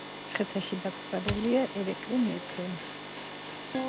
შემდეგ თრიალეთში შემოიჭრა.